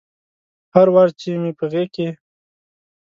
هر وار چې مې په غیږ کې